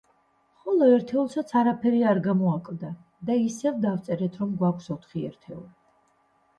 ხოლო ერთეულსაც არაფერი არ გამოაკლდა და ისევ დავწერთ რომ გვაქვს ოთხი ერთეული.